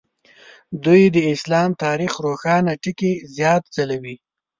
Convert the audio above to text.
دوی د اسلام تاریخ روښانه ټکي زیات ځلوي.